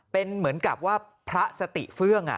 เป็นเหมือนกับว่าพระสติเฟื่อง